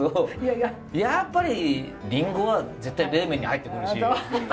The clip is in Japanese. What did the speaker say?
やっぱりリンゴは絶対冷麺に入ってくるし。